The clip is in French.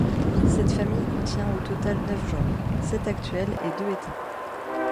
Cette famille contient au total neuf genres, sept actuels et deux éteints.